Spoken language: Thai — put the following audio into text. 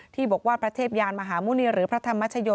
ที่บอกว่าพระเทพยานมหาหมุณีหรือพระธรรมชโย